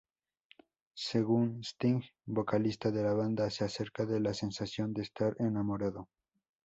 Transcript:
Según Sting, vocalista de la banda, es acerca de la sensación de estar enamorado.